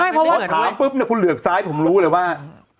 ไม่เพราะว่าถ้าคุณเหลือบซ้ายผมรู้เลยว่า